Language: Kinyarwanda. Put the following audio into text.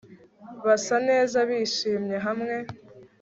basa neza bishimye hamwe